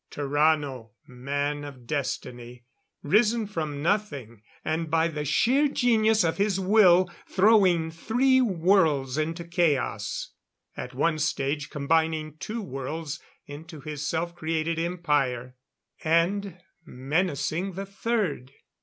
Tarrano man of destiny risen from nothing and by the sheer genius of his will throwing three worlds into chaos, at one stage combining two worlds into his self created Empire; and menacing the third.